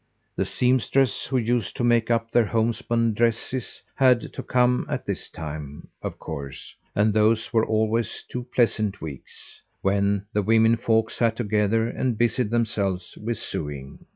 The seamstress who used to make up their homespun dresses had to come at this time, of course, and those were always two pleasant weeks when the women folk sat together and busied themselves with sewing.